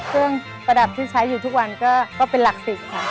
เครื่องประดับที่ใช้อยู่ทุกวันก็เป็นหลัก๑๐ค่ะ